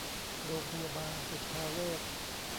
โรงพยาบาลสุทธาเวช